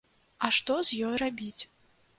А што з ёй рабіць?